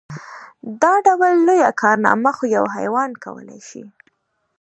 دا ډول لويه کارنامه خو يو حيوان کولی شي.